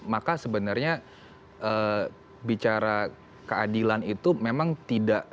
maka sebenarnya bicara keadilan itu memang tidak